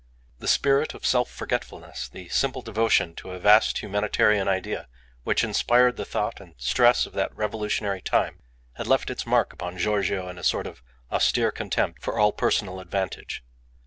The spirit of self forgetfulness, the simple devotion to a vast humanitarian idea which inspired the thought and stress of that revolutionary time, had left its mark upon Giorgio in a sort of austere contempt for all personal advantage.